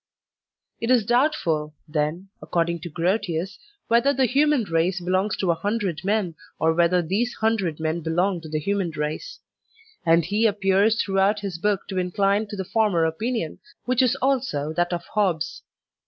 It is doubtful, then, according to Grotius, whether the human race belongs to a hundred men, or whether these hundred men belong to the human race; and he appears throughout his book to incline to the former opinion, which is also that of Hobbes.